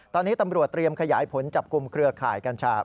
ตอนนี้ตำรวจเตรียมขยายผลจับกลุ่มเครือข่ายกัญชา